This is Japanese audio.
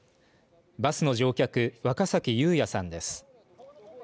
バスの乗客若さき友哉さんです。